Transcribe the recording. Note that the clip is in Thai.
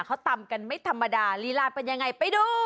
เขาตำกันไม่ธรรมดาลีลาเป็นยังไงไปดู